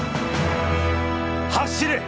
走れ！